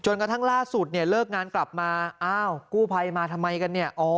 กระทั่งล่าสุดเนี่ยเลิกงานกลับมาอ้าวกู้ภัยมาทำไมกันเนี่ย